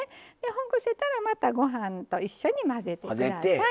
ほぐせたらまたご飯と一緒に混ぜて下さい。